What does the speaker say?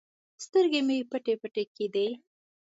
سترګې مې پټې پټې کېدې.